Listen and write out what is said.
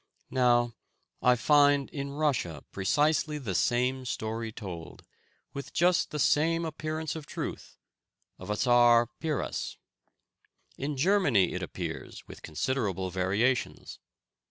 Now, I find in Russia precisely the same story told, with just the same appearance of truth, of a Czar Piras. In Germany it appears with considerable variations.